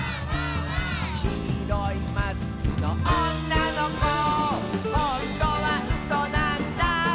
「きいろいマスクのおんなのこ」「ほんとはうそなんだ」